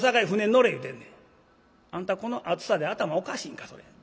「あんたこの暑さで頭おかしいんかそれ。